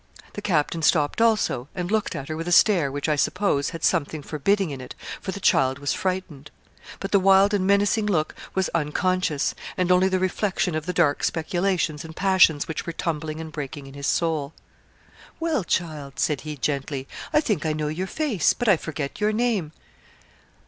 The captain stopped also, and looked at her with a stare which, I suppose, had something forbidding in it, for the child was frightened. But the wild and menacing look was unconscious, and only the reflection of the dark speculations and passions which were tumbling and breaking in his soul. 'Well, child,' said he, gently, 'I think I know your face, but I forget your name.'